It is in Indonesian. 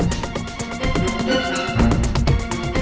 iya udah diharapin meka cepetan